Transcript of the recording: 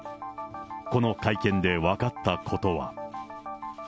この会見で分かったことは。